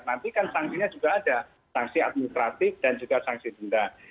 nanti kan sangsinya juga ada sangsi administrasi dan juga sangsi denda